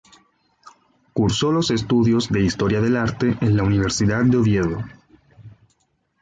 Cursó los estudios de Historia del Arte en la Universidad de Oviedo.